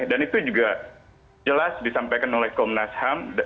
dan itu juga jelas disampaikan oleh komnas ham